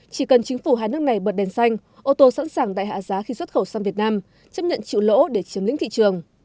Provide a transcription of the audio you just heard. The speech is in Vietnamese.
chỉ cần chính phủ hai nước này bật đèn xanh ô tô sẵn sàng đại hạ giá khi xuất khẩu sang việt nam chấp nhận chịu lỗ để chiếm lĩnh thị trường